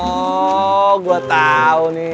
oh gue tau nih